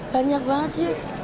banyak banget sih